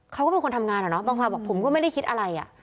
เขาก็เป็นคนทำงานเหรอเนอะบางฟาบอกผมก็ไม่ได้คิดอะไรอ่ะ